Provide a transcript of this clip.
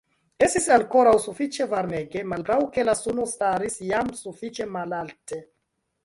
Estis ankoraŭ sufiĉe varmege, malgraŭ ke la suno staris jam sufiĉe malalte.